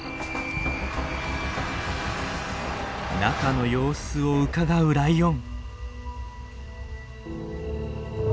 中の様子をうかがうライオン。